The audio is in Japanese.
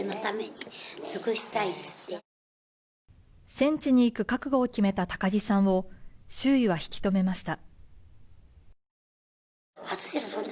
戦地に行く覚悟を決めた高木さんを周囲は引き止めました。